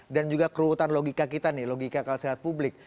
dan juga keruwutan logika kita nih logika kesehatan publik